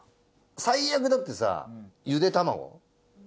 最悪だってさゆで卵。